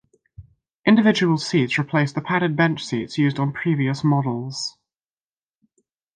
Individual seats replaced the padded bench seats used on previous models.